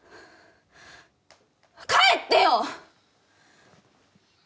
帰ってよ！